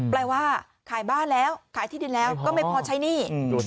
ว่าขายบ้านแล้วขายที่ดินแล้วก็ไม่พอใช้หนี้